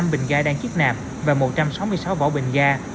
năm bình gà đang chiếc nạp và một trăm sáu mươi sáu vỏ bình gà